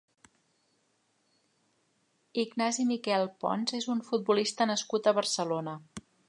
Ignasi Miquel Pons és un futbolista nascut a Barcelona.